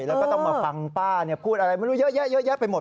แล้วก็ต้องมาฟังป้าพูดอะไรไม่รู้เยอะแยะเยอะแยะไปหมด